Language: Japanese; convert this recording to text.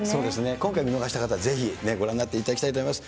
今回見逃した方はぜひご覧になっていただきたいと思います。